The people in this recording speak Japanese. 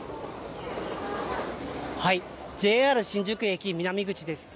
ＪＲ新宿駅南口です。